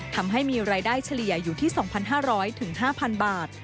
ทำให้มีรายได้เฉลี่ยอยู่ที่๒๕๐๐๕๐๐บาท